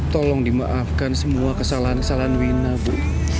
tolong dimaafkan semua kesalahan kesalahan wina bu